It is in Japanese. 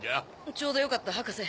ちょうどよかった博士。